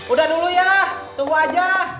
udah dulu ya tunggu aja